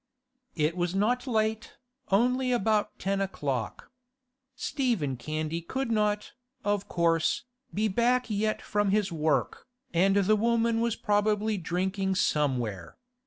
It was not late, only about ten o'clock. Stephen Candy could not, of course, be back yet from his work, and the woman was probably drinking somewhere.